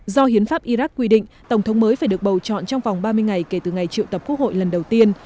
do hiến pháp iraq quy định tổng thống mới phải được bầu chọn trong vòng ba mươi ngày kể từ ngày triệu tập quốc hội lần đầu tiên